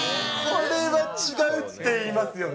これは違うっていいますよね。